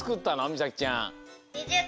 みさきちゃん。